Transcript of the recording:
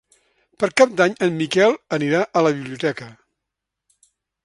Per Cap d'Any en Miquel anirà a la biblioteca.